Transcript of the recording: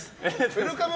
ウェルカム